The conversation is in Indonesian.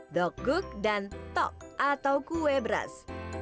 dogguk dan tok atau kue beras